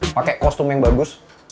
pake kostum yang bagus